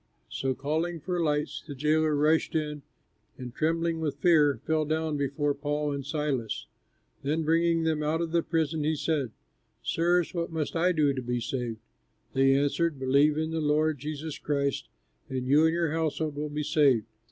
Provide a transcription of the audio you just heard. So calling for lights, the jailer rushed in, and trembling with fear, fell down before Paul and Silas. Then bringing them out of the prison he said, "Sirs, what must I do to be saved?" They answered, "Believe in the Lord Jesus Christ and you and your household will be saved."